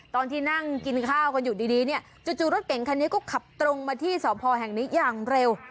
ตอนที่นั่งกินข้าวกันอยู่ดีเนี่ยจู่รถเก่งคันนี้ก็ขับตรงมาที่สพแห่งนี้อย่างเร็ว